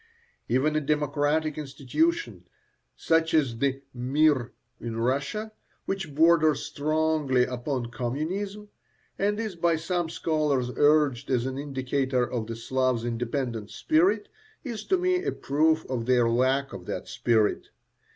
Even a democratic institution, such as the "mir" in Russia, which borders strongly upon communism, and is by some scholars urged as an indication of the Slavs' independent spirit, is to me a proof of their lack of that spirit.